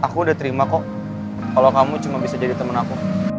aku udah terima kok kalau kamu cuma bisa jadi teman aku